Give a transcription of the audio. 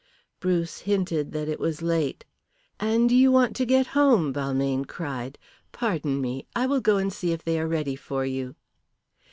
Bruce hinted that it was late. "And you want to get home," Balmayne cried. "Pardon me. I will go and see if they are ready for you."